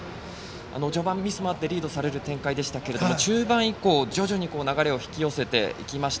序盤ミスもあってリードされる展開でしたが中盤以降、徐々に流れを引き寄せていきました。